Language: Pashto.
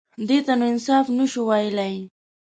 _دې ته نو انصاف نه شو ويلای.